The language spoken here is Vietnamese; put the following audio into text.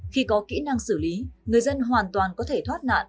những kỹ năng xử lý người dân hoàn toàn có thể thoát nạn